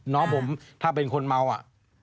น้องผมถ้าเป็นคนเมาอ่ะ